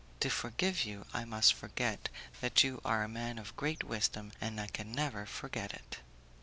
To forgive you I must forget that you are a man of great wisdom, and I can never forget it."